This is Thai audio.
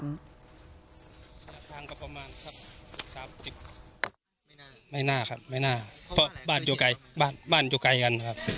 ไม่น่าครับไม่น่าเพราะบ้านอยู่ไกลบ้านอยู่ไกลกันครับ